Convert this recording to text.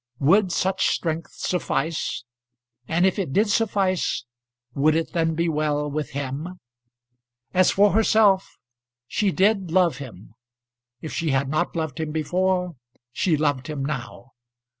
Would such strength suffice? And if it did suffice, would it then be well with him? As for herself, she did love him. If she had not loved him before, she loved him now.